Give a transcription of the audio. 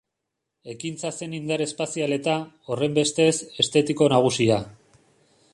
Ekintza zen indar espazial eta, horrenbestez, estetiko nagusia.